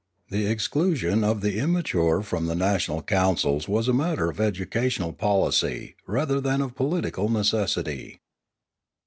The exclusion of the imma ture from the national councils was a matter of educa tional policy rather than of political necessity.